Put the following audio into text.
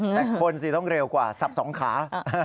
แต่คนสิต้องเร็วกว่าสับสองขา